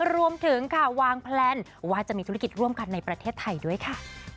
รวมถึงค่ะวางแพลนว่าจะมีธุรกิจร่วมกันในประเทศไทยด้วยค่ะ